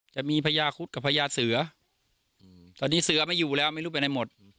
จะมีพระยาคุฑกับพระยาเสือตอนนี้เสือไม่อยู่แล้วไม่รู้เป็นอะไรหมด